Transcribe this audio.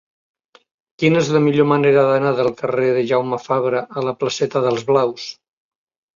Quina és la millor manera d'anar del carrer de Jaume Fabra a la placeta d'Els Blaus?